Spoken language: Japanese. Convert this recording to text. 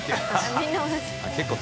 みんな同じ